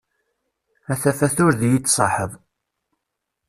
A tafat ur d i-d-tṣaḥeḍ.